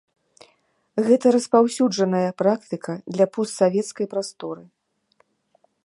Гэта распаўсюджаная практыка для постсавецкай прасторы.